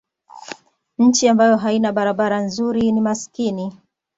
nchi ambayo haina barabara nzuri ni masikini